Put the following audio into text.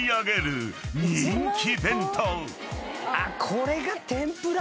これが天ぷら？